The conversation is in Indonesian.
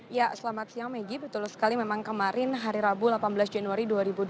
ya selamat siang maggie betul sekali memang kemarin hari rabu delapan belas januari dua ribu dua puluh